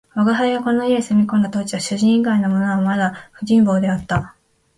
吾輩がこの家へ住み込んだ当時は、主人以外のものにははなはだ不人望であった